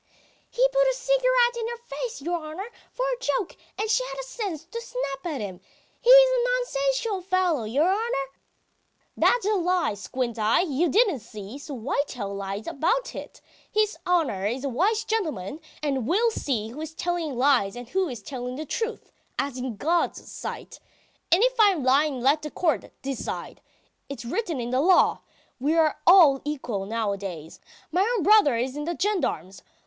"He put a cigarette in her face, your honour, for a joke, and she had the sense to snap at him. ... He is a nonsensical fellow, your honour!" "That's a lie, Squinteye! You didn't see, so why tell lies about it? His honour is a wise gentleman, and will see who is telling lies and who is telling the truth, as in God's sight. ... And if I am lying let the court decide. It's written in the law. ... We are all equal nowadays. My own brother is in the gendarmes